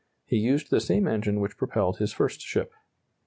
He used the same engine which propelled his first ship.